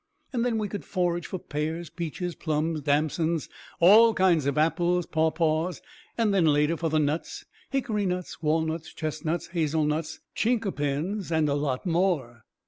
And then we could forage for pears, peaches, plums, damsons, all kinds of apples, paw paws, and then later for the nuts, hickory nuts, walnuts, chestnuts, hazel nuts, chinquapins, and a lot more.